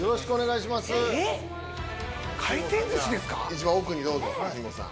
一番奥にどうぞ慎吾さん。